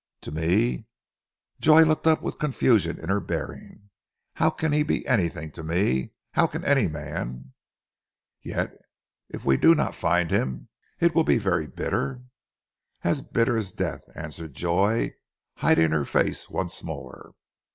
"To me," Joy looked up with confusion in her bearing. "How can he be anything to me? How can any man " "Yet if we do not find him, it will be very bitter?" "As bitter as death!" answered Joy, hiding her face once more.